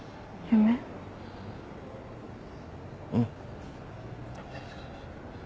うん。